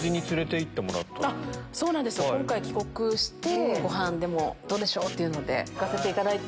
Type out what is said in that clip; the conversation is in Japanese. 今回帰国してごはんでもどうでしょう？っていうので。